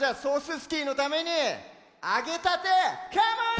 スキーのためにあげたてカモーン！